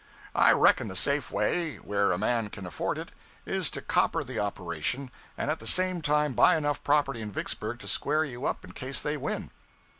I reckon the safe way, where a man can afford it, is to copper the operation, and at the same time buy enough property in Vicksburg to square you up in case they win.